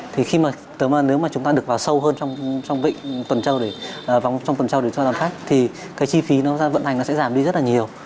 thì nếu mà chúng ta được vào sâu hơn trong vịnh tuần châu để cho đón khách thì cái chi phí vận hành sẽ giảm đi rất là nhiều